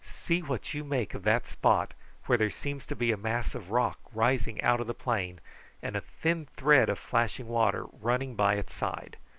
"See what you make of that spot where there seems to be a mass of rock rising out of the plain, and a thin thread of flashing water running by its side.